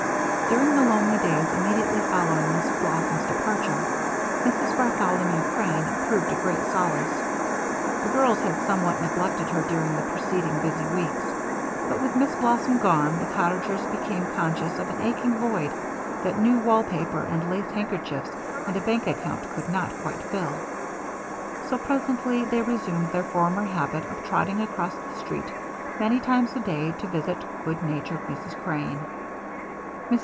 During the lonely days immediately following Miss Blossom's departure, Mrs. Bartholomew Crane proved a great solace. The girls had somewhat neglected her during the preceding busy weeks; but with Miss Blossom gone, the cottagers became conscious of an aching void that new wall paper and lace handkerchiefs and a bank account could not quite fill; so presently they resumed their former habit of trotting across the street many times a day to visit good natured Mrs. Crane. Mrs.